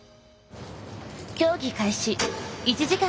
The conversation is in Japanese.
競技開始